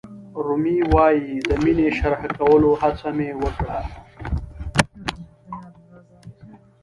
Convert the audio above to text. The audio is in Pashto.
رومي وایي د مینې شرحه کولو هڅه مې وکړه.